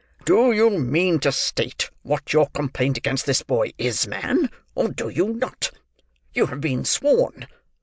"Do you mean to state what your complaint against this boy is, man, or do you not? You have been sworn.